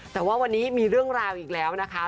แต่ว่าวันนี้มีเรื่องราวอีกแล้วนะคะ